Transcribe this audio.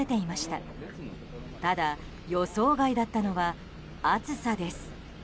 ただ、予想外だったのは暑さです。